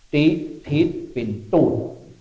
ติธิตปินตู้น